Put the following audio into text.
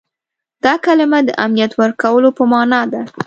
دا کلمه د امنیت ورکولو په معنا ده.